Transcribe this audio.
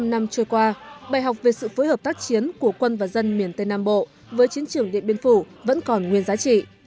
bảy mươi năm năm trôi qua bài học về sự phối hợp tác chiến của quân và dân miền tây nam bộ với chiến trường điện biên phủ vẫn còn nguyên giá trị